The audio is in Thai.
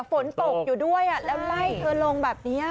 ฝนตกอยู่ด้วยแล้วไล่เธอลงแบบนี้